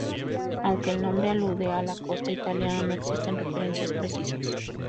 Aunque el nombre alude a la costa italiana, no existen referencias precisas.